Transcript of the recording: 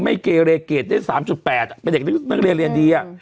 เกเรเกรดได้๓๘เป็นเด็กนักเรียนเรียนดี